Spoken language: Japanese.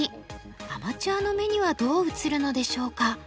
アマチュアの目にはどう映るのでしょうか？